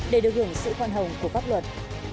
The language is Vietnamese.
để được gửi sự khoan hồng của pháp luật